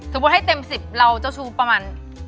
สมมุติให้เต็มสิบเราเจ้าชู้ประมาณ